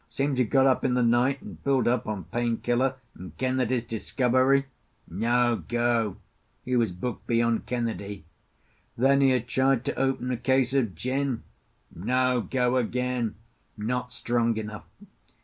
Seems he got up in the night, and filled up on Pain Killer and Kennedy's Discovery. No go: he was booked beyond Kennedy. Then he had tried to open a case of gin. No go again: not strong enough.